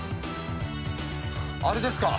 あれですか？